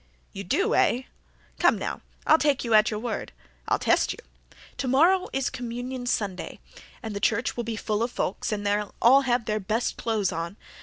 "You do, eh? Come, now, I'll take you at your word. I'll test you. Tomorrow is Communion Sunday and the church will be full of folks and they'll all have their best clothes on.